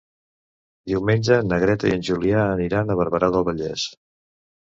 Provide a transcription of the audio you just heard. Diumenge na Greta i en Julià aniran a Barberà del Vallès.